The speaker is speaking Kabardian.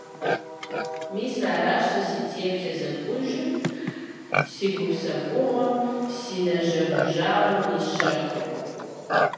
Мис аращ сэ си теплъэ зэкӀужым, си гупсэхугъуэм, си нэжэгужагъым и щэхур.